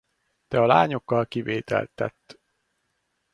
De a lányokkal kivételt tett.